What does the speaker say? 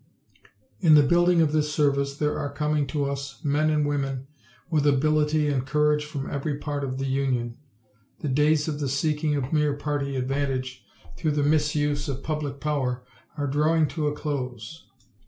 In the building of this service there are coming to us men and women with ability and courage from every part of the Union. The days of the seeking of mere party advantage through the misuse of public power are drawing to a close.